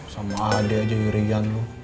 sama adik aja hirian lu